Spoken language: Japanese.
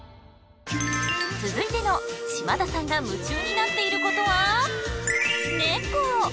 続いての嶋田さんが夢中になっていることは猫！